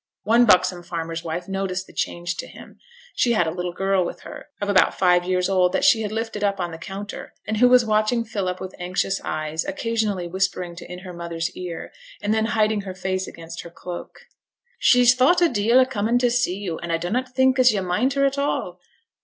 One buxom farmer's wife noticed the change to him. She had a little girl with her, of about five years old, that she had lifted up on the counter, and who was watching Philip with anxious eyes, occasionally whispering in her mother's ear, and then hiding her face against her cloak. 'She's thought a deal o' coming to see yo', and a dunnot think as yo' mind her at all.